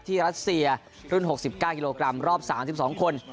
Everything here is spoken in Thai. รัสเซียรุ่น๖๙กิโลกรัมรอบ๓๒คน